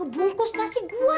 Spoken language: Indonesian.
bungkus nasi gue